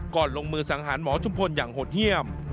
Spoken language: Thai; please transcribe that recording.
ลงมือสังหารหมอชุมพลอย่างหดเยี่ยม